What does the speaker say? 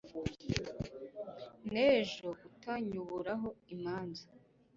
Nejo utanyuburaho imanza